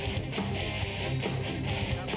และแพ้๒๐ไฟ